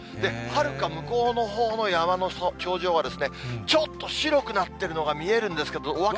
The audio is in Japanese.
はるか向こうのほうの山の頂上は、ちょっと白くなってるのが見える奥の奥ですね。